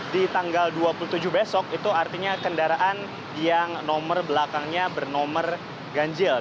di tanggal dua puluh tujuh besok itu artinya kendaraan yang nomor belakangnya bernomor ganjil